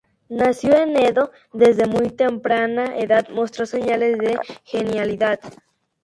Nacido en Edo, desde muy temprana edad mostró señales de genialidad.